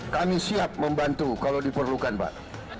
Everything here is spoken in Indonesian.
kami siap membantu kalau diperlukan pak